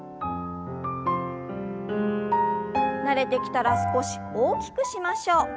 慣れてきたら少し大きくしましょう。